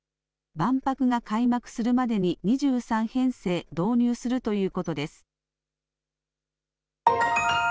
万博が開幕するまでに２３編成導入するということです。